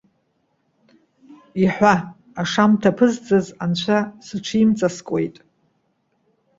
Иҳәа. Ашамҭа аԥызҵаз Анцәа сыҽимҵаскуеит.